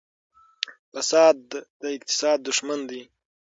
فساد د اقتصاد دښمن دی.